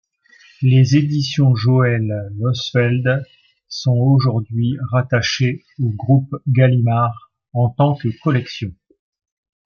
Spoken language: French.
Les Éditions Joëlle Losfeld sont aujourd'hui rattachées au groupe Gallimard en tant que collection.